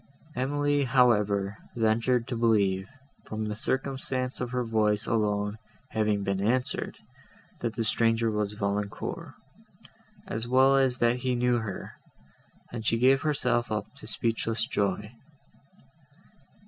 Emily, however, ventured to believe, from the circumstance of her voice alone having been answered, that the stranger was Valancourt, as well as that he knew her, and she gave herself up to speechless joy.